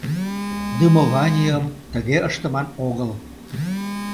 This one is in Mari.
— Дымованийым тыге ыштыман огыл.